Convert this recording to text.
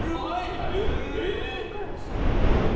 美川さんからおっしゃったんですね。